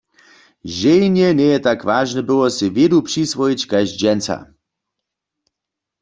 Ženje njeje tak wažne było sej wědu přiswojić kaž dźensa.